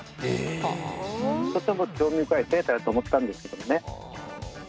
とても興味深いデータだと思ったんですけどね。